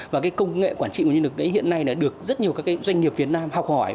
và công nghệ quản trị nguồn nhân lực hiện nay được rất nhiều doanh nghiệp việt nam học hỏi